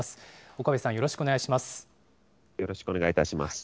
岡部さん、よろしくお願いいたします。